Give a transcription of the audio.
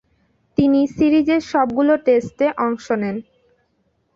তিনি সিরিজের সবগুলো টেস্টে অংশ নেন।